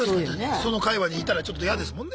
その界わいにいたらちょっと嫌ですもんね。